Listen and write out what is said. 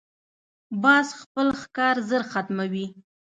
باز خپل ښکار ژر ختموي